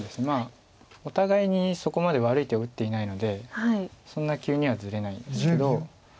まあお互いにそこまで悪い手を打っていないのでそんな急にはずれないんですけど。